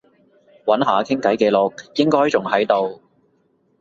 揾下傾偈記錄，應該仲喺度